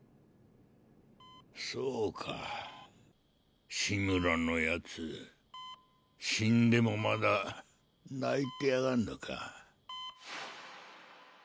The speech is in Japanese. そうか志村の奴死んでもまだ泣いてやがんのか。